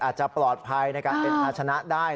อาจจะปลอดภัยในการเป็นทรงลักษณะได้